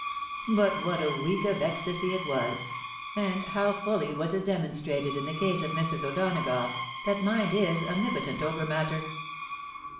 But what a week of ecstasy it was ! And how fully was it demonstrated in the case of Mrs. O'Donagough, that mind is omnipotent over matter